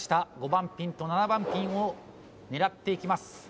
５番ピンと７番ピンを狙っていきます